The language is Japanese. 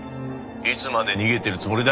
いつまで逃げてるつもりだ？